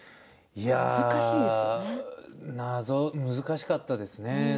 いや難しかったですね。